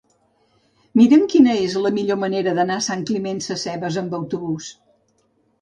Mira'm quina és la millor manera d'anar a Sant Climent Sescebes amb autobús.